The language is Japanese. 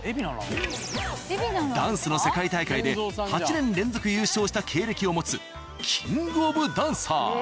ダンスの世界大会で８年連続優勝した経歴を持つキングオブダンサー。